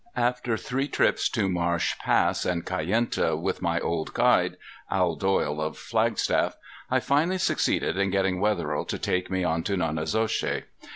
After three trips to Marsh Pass and Kayenta with my old guide, Al Doyle of Flagstaff, I finally succeeded in getting Wetherill to take me in to Nonnezoshe.